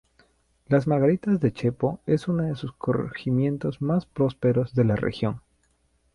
Las Margaritas de Chepo es uno de sus corregimientos más prósperos de la región.